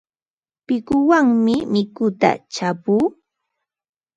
Pikuwanmi mituta chapuu.